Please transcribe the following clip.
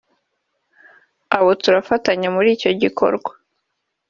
abo turafatanya muri icyo gikorwa